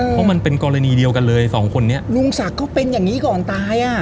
เพราะมันเป็นกรณีเดียวกันเลยสองคนนี้ลุงศักดิ์ก็เป็นอย่างนี้ก่อนตายอ่ะ